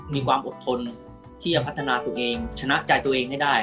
มีความอดทนที่จะพัฒนาตัวเองชนะใจตัวเองให้ได้